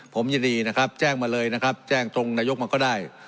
ผมยินดีนะครับแจ้งมาเลยนะครับแจ้งตรงนายกมันก็ได้